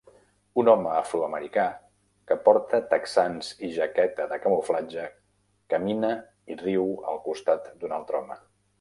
Un home afroamericà que porta texans i jaqueta de camuflatge camina i riu al costat d'un altre home.